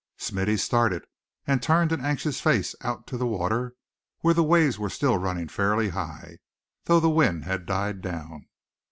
Smithy started, and turned an anxious face out to the water, where the waves were still running fairly high, though the wind had died down.